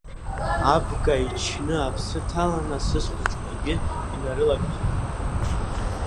Абга ичны аԥсы ҭалан асыс хәыҷқәагьы инарылагьежьит.